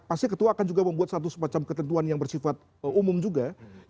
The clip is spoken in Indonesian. pasti ketua akan juga membuat satu semacam ketentuan yang bersifat umum juga